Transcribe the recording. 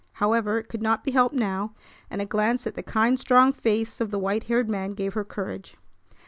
However, it could not be helped now; and a glance at the kind, strong face of the white haired man gave her courage.